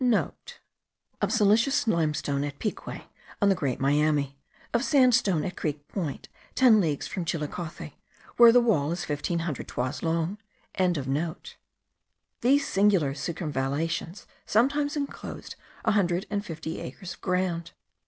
(* Of siliceous limestone, at Pique, on the Great Miami; of sandstone at Creek Point, ten leagues from Chillakothe, where the wall is fifteen hundred toises long.) These singular circumvallations sometimes enclosed a hundred and fifty acres of ground.